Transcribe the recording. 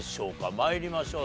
参りましょう。